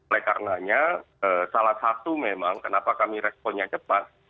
oleh karenanya salah satu memang kenapa kami responnya cepat